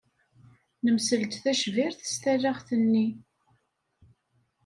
Nemsel-d tacbirt s talaɣt-nni.